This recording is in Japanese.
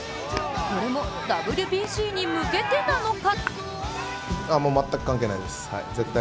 これもＷＢＣに向けてなのか？